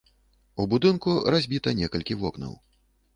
У будынку разбіта некалькі вокнаў.